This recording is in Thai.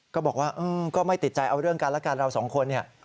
ก็บอกว่าก็ไม่ติดใจเอาเรื่องกันแล้วกันเราสองคนเนี่ย